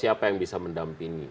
siapa yang bisa mendampingi